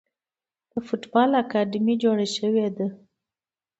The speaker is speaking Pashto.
د فوټبال اکاډمۍ جوړې شوي دي.